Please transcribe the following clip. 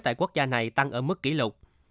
tại quốc gia này tăng ở mức kỷ lục